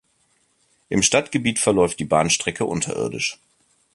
Im Stadtgebiet verläuft die Bahnstrecke unterirdisch.